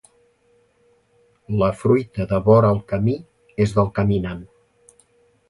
La fruita de vora el camí és del caminant.